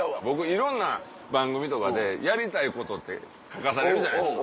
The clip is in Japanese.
いろんな番組とかでやりたいことって書かされるじゃないですか。